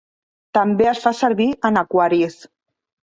També es fa servir en aquaris.